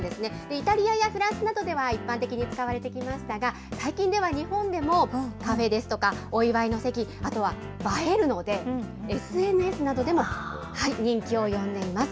イタリアやフランスなどでは一般的に使われてきましたが、最近では日本でもカフェですとかお祝いの席、あとは映えるので、ＳＮＳなどでも人気を呼んでいます。